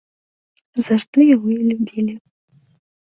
За што яго і любілі.